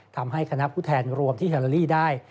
ทำให้คณะผู้แทนรวมที่ฮาโลลี่ได้